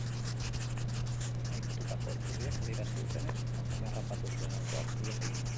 Aipatutako iturriek adierazi dutenez, emakumea harrapatu zuen autoak ihes egin zuen.